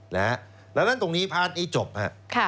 แล้วตรงนี้ภาษณ์นี้จบครับ